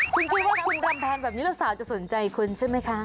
คุณคิดว่าคุณทำแทนแบบนี้แล้วสาวจะสนใจคุณใช่ไหมคะ